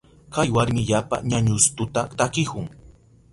Kay warmi yapa ñañustuta takihun.